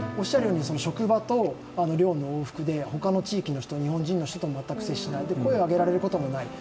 職場と寮の往復で、ほかの地域の人、日本人の人と全く接しない声を上げられることもしない。